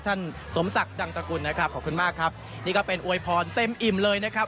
สมศักดิ์จังตกุลนะครับขอบคุณมากครับนี่ก็เป็นอวยพรเต็มอิ่มเลยนะครับ